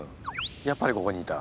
やっぱりここにいた。